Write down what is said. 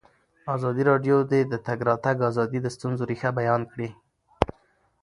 ازادي راډیو د د تګ راتګ ازادي د ستونزو رېښه بیان کړې.